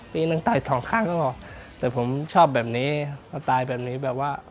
ปีหนึ่งต่อยสองครั้งแล้วบอกแต่ผมชอบแบบนี้ตายแบบนี้แบบว่า